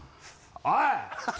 おい！